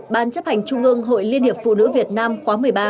ban chấp hành trung ương hội liên hiệp phụ nữ việt nam khóa một mươi ba